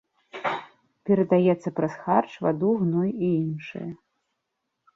Перадаецца праз харч, ваду, гной і іншае.